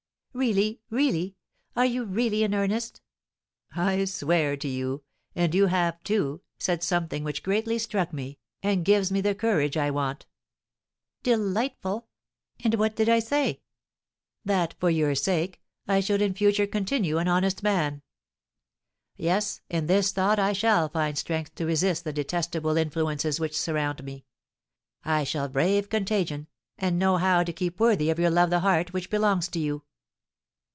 "Really, really are you really in earnest?" "I swear to you; and you have, too, said something which greatly struck me, and gives me the courage I want." "Delightful! And what did I say?" "That, for your sake, I should in future continue an honest man. Yes, in this thought I shall find strength to resist the detestable influences which surround me. I shall brave contagion, and know how to keep worthy of your love the heart which belongs to you."